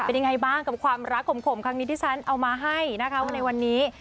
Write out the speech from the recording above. เป็นยังไงบ้างกับความรักขมครั้งนี้ที่ฉันเอามาให้นะคะว่าในวันนี้